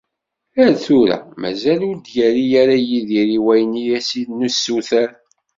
Ar tura, mazal ur d-yerri ara Yidir i wayen i as-nessuter.